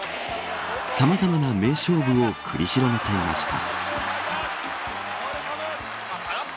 さまざまな名勝負を繰り広げていました。